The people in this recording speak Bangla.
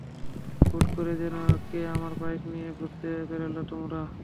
হুট করে কেন যে আমার বাইক নিয়ে ঘুরতে বেরোলে তোমরা!